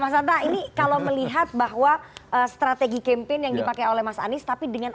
mas anta ini kalau melihat bahwa strategi campaign yang dipakai oleh mas anies tapi dengan